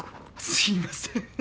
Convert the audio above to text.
すいません。